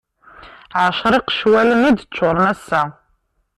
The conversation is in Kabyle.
Ɛecra iqecwalen i d-ččuren ass-a.